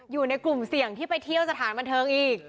อยู่ในกลุ่มเสี่ยงที่ไปเที่ยวสถานบันเทิงอีก